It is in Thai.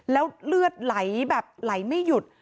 แล้วเลือดไหลแบบไหลไม่หยุด